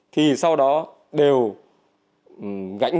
thì sau đó đều gánh những cái